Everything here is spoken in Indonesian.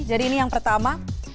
jadi ini yang pertama